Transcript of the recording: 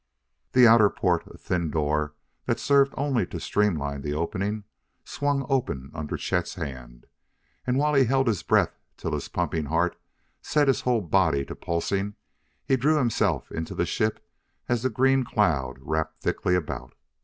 The outer port, a thin door that served only to streamline the opening, swung open under Chet's hand. And, while he held his breath till his pumping heart set his whole body to pulsing, he drew himself into the ship as the green cloud wrapped thickly about.